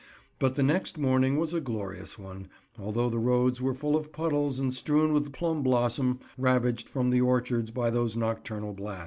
But the next morning was a glorious one, although the roads were full of puddles and strewn with plum blossom ravaged from the orchards by those nocturnal blasts.